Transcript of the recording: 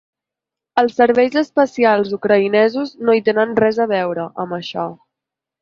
Els serveis especials ucraïnesos no hi tenen res a veure, amb això.